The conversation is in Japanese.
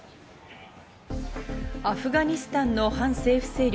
アフガニスタンの反政府勢力